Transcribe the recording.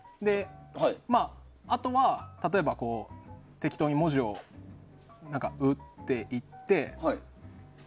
あとは例えば適当に文字を打っていって。